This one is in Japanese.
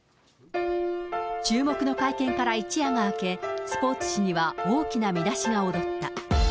注目の会見から一夜が明け、スポーツ紙には大きな見出しが躍った。